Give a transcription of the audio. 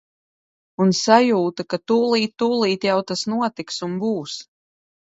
Un sajūta, ka tulīt tulīt jau tas notiks un būs!